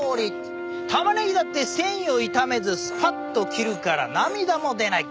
玉ねぎだって繊維を傷めずスパッと切るから涙も出ない。